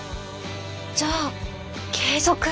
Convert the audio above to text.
じゃあ継続。